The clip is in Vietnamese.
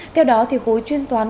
theo đó thì khối chuyên toán